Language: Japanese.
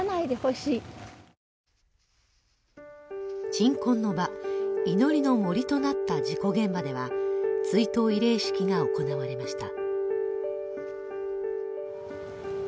鎮魂の場祈りの杜となった事故現場では追悼慰霊式が行われました。